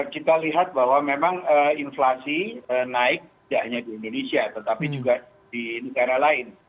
kita lihat bahwa memang inflasi naik tidak hanya di indonesia tetapi juga di negara lain